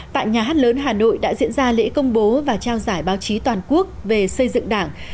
tại nhà hát lớn hà nội đã diễn ra lễ công bố và trao giải báo chí toàn quốc về xây dựng đảng